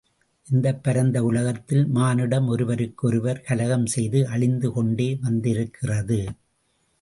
இந்தப் பரந்த உலகத்தில் மானுடம் ஒருவருக்கு ஒருவர் கலகம் செய்து அழிந்து கொண்டே வந்திருக்கிறது.